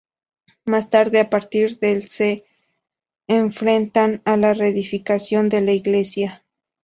Más tarde, a partir del se enfrentan a la reedificación de la iglesia.